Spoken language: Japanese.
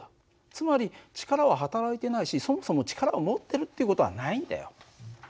つまり力は働いてないしそもそも力を持ってるっていう事はないんだよ。